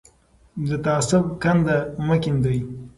د تعصب کنده مه کیندئ.